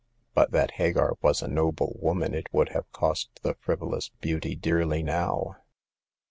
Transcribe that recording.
But that Hagar was a noble woman it would have cost the friv olous beauty dearly now.